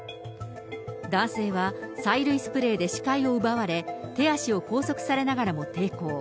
男性は催涙スプレーで視界を奪われ、手足を拘束されながらも抵抗。